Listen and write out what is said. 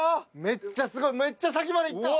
めっちゃすごいめっちゃ先までいった。